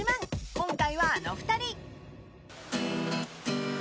今回は、あの２人。